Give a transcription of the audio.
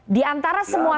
di antara semua